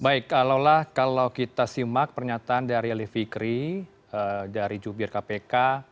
baik alaulah kalau kita simak pernyataan dari ali fikri dari jubir kpk